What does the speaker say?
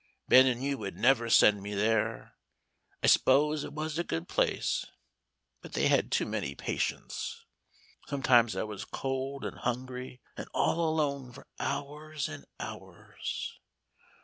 Ben and you would never send me there. I s'pose it was a good place, but they had too many patients. Sometimes I was cold and hungry and all alone for hours and hours.